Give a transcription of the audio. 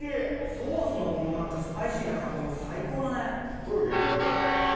ソースのこのスパイシーな感じも最高だね。